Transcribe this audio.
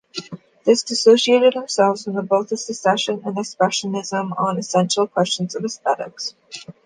They disassociated themselves from both the Secession and Expressionism on essential questions of aesthetics.